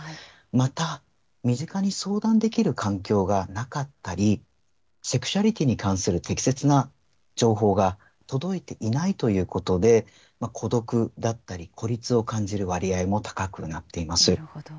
また、身近に相談できる環境がなかったり、セクシャリティーに関する適切な情報が届いていないということで、孤独だったり孤立を感じる割合も高くなっています。